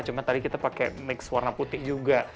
cuma tadi kita pakai mix warna putih juga